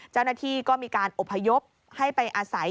เจ้าหน้าที่ก็มีการอบพยพให้ไปอาศัย